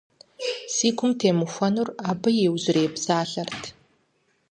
Си гум темыхуэнур абы и иужьрей псалъэрт.